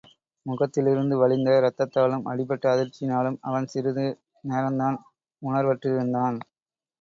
முகத்திலிருந்து வழிந்த ரத்தத்தாலும், அடிபட்ட அதிர்ச்சியாலும் அவன் சிறிது நேரந்தான் உணர்வற்றிருந்தான்.